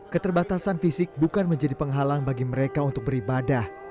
keterbatasan fisik bukan menjadi penghalang bagi mereka untuk beribadah